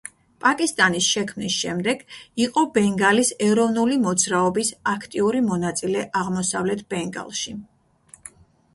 პაკისტანის შექმნის შემდეგ იყო ბენგალის ეროვნული მოძრაობის აქტიური მონაწილე აღმოსავლეთ ბენგალში.